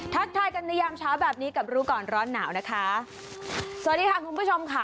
ทักทายกันในยามเช้าแบบนี้กับรู้ก่อนร้อนหนาวนะคะสวัสดีค่ะคุณผู้ชมค่ะ